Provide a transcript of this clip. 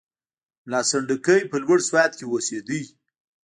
ملا سنډکی په لوړ سوات کې اوسېدی.